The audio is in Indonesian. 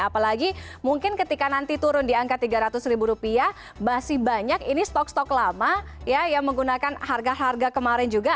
apalagi mungkin ketika nanti turun di angka tiga ratus ribu rupiah masih banyak ini stok stok lama ya yang menggunakan harga harga kemarin juga